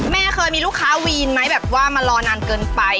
แม่เคยมีลูกค้าวีนไหมแบบว่ามารอนานเกินไป